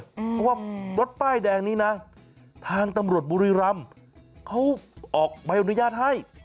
เพราะว่ารถป้ายแดงนี้นะทางตำรวจบุรีรำเขาออกใบอนุญาตให้